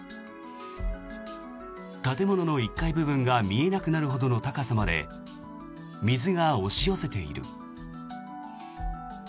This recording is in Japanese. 建物の１階部分が見えなくなるほどの高さまで水が押し寄せている。